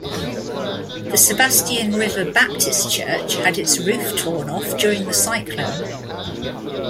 The Sebastian River Baptist Church had its roof torn off during the cyclone.